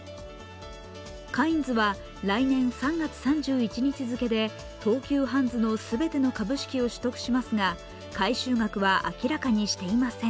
カインズは来年３月３１日付で東急ハンズの全ての株式を取得しますが、買収額は明らかにしていません。